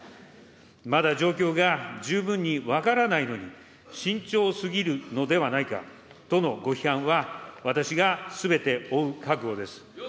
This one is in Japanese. まだ状況が十分に分からないのに、慎重すぎるのではないかとのご批判は、私がすべて負う覚悟です。